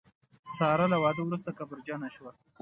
ساره له واده وروسته کبرجنه شوه.